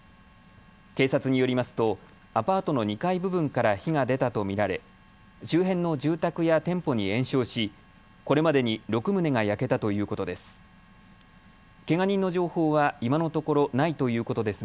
警察によりますとアパートの２階部分から火が出たと見られ周辺の住宅や店舗に延焼しこれまでに６棟が焼けたということです。